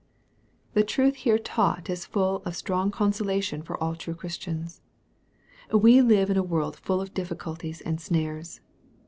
The truth here taught is full of strong consolation for all true Christians. We live in a world full of difficulties and snares.